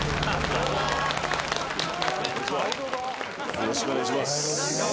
よろしくお願いします。